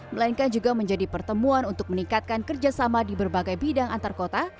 melainkan juga menjadi pertemuan untuk meningkatkan kerjasama di berbagai bidang antar kota